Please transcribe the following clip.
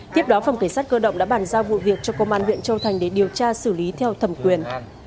tiếp đó phòng cảnh sát cơ động đã bàn giao vụ việc cho công an huyện châu thành để điều tra xử lý theo thẩm quyền